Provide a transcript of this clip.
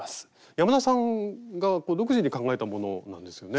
山田さんが独自に考えたものなんですよね？